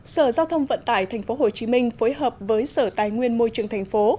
sở giao thông vận tải tp hcm phối hợp với sở tài nguyên môi trường thành phố